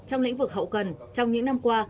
trong lĩnh vực hậu cần trong những năm qua